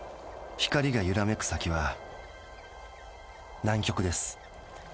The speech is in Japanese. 光がゆらめく先は南極です。